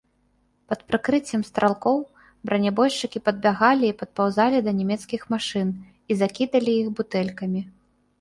Пад прыкрыццем стралкоў бранябойшчыкі падбягалі і падпаўзалі да нямецкіх машын і закідалі іх бутэлькамі.